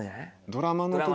ドラマの時。